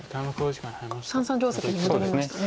三々定石に戻りましたね。